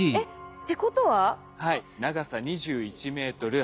ってことは？